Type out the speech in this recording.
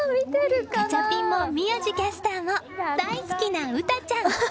ガチャピンも宮司キャスターも大好きな詠ちゃん。